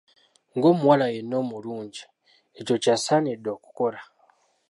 Ng'omuwala yenna omulungi, ekyo ky'asaanidde okukola.